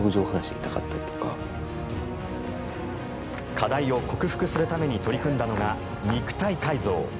課題を克服するために取り組んだのが肉体改造。